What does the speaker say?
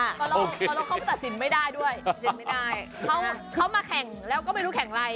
เพราะเขาตัดสินไม่ได้ด้วยเซ็นไม่ได้เขามาแข่งแล้วก็ไม่รู้แข่งอะไร